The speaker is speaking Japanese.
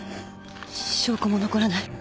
証拠も残らない。